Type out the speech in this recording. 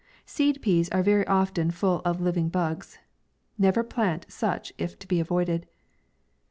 Seed peas are very often full of living bugs. Never plant such if to be avoided.